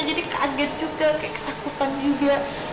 jadi kaget juga kayak ketakutan juga